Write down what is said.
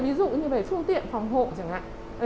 ví dụ như về phương tiện phòng hộ chẳng hạn